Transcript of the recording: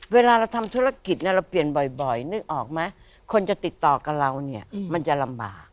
เวลาเราทำธุรกิจเนี่ยเราเปลี่ยนบ่อยนึกออกไหมคนจะติดต่อกับเราเนี่ยมันจะลำบาก